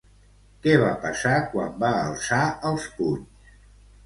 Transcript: Què va passar quan va alçar els punys?